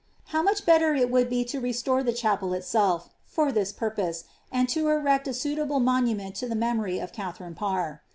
Hovr much better it would be ip restore the chapel itself, for this pur poae, and lo erect a suitable monument to ihe memory of Katharine mr.'